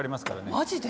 マジで？